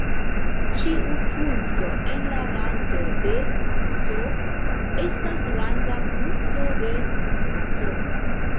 Ĉiu punkto en la rando de "S" estas randa punkto de "S".